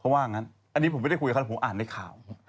เพราะว่างั้นอันนี้ผมไม่ได้คุยกับเขาแต่ผมอ่านได้ข่าว